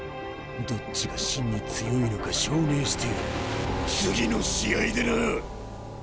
どっちが真に強いのか証明してやる次の試合でな！